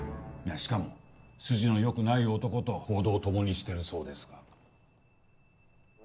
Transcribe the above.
しかも筋の良くない男と行動を共にしてるそうですが。